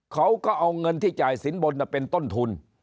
เขาก็เอาเงินที่จ่ายสินบนเป็นต้นทุน